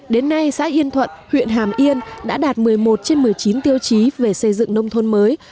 đến nay xã yên thuận huyện hàm yên đã đạt một mươi một trên một mươi chín tiêu chí về xây dựng nông thôn mới